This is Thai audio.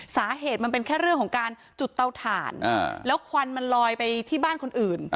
สาเหตุมันเป็นแค่เรื่องของการจุดเตาถ่านแล้วควันมันลอยไปที่บ้านคนอื่น